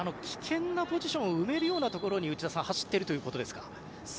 危険なポジションを埋めるようなところに内田さん走っているということですか。